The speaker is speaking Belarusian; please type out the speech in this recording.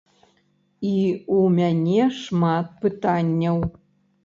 І у мяне шмат пытанняў.